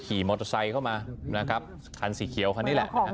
ขี่มอเตอร์ไซค์เข้ามานะครับคันสีเขียวคันนี้แหละนะครับ